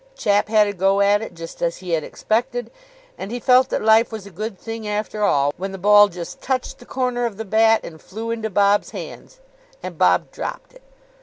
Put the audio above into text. Chap had a go at it, just as he had expected: and he felt that life was a good thing after all when the ball just touched the corner of the bat and flew into Bob's hands. And Bob dropped it!